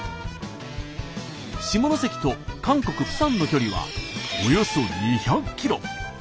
下関と韓国釜山の距離はおよそ２００キロ。